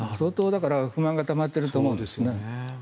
だから相当、不満がたまってると思うんですね。